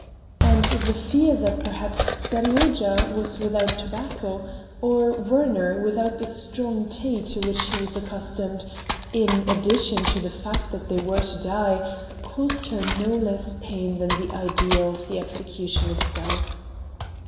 And the fear that perhaps Seryozha was without tobacco or Werner without the strong tea to which he was accustomed, in addition to the fact that they were to die, caused her no less pain than the idea of the execution itself.